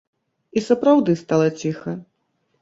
І сапраўды стала ціха.